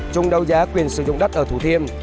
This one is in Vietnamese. chung đấu giá quyền sử dụng đất ở thủ thiêm